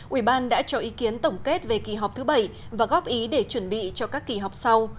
ủy ban đã cho ý kiến tổng kết về kỳ họp thứ bảy và góp ý để chuẩn bị cho các kỳ họp sau